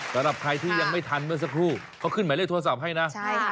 สำหรับใครที่ยังไม่ทันเมื่อสักครู่เขาขึ้นหมายเลขโทรศัพท์ให้นะใช่ค่ะ